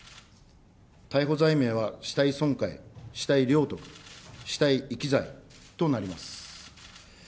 逮捕罪名は死体損壊、死体領得、死体遺棄罪となります。